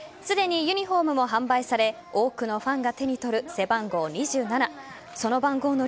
すでにユニホームも販売され多くのファンが手に取る背番号２７。